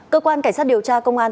cơ quan cảnh sát điều tra công an